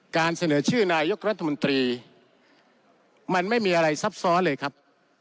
การเสนอชื่อนายกรัฐมนตรีมันไม่มีอะไรซับซ้อนเลยครับ